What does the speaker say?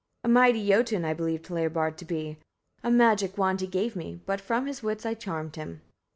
A mighty Jotun I believed Hlebard to be: a magic wand he gave me, but from his wits I charmed him.